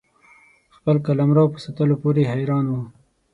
خپل قلمرو په ساتلو پوري حیران وو.